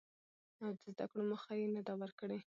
او د زده کړو مخه يې نه ده ورکړې.